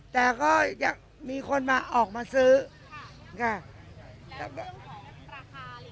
แต่ก็อยากมีคนมาออกมาซื้อค่ะแล้วเรื่องของราคาอะไรอย่างเงี้ยค่ะเจ๊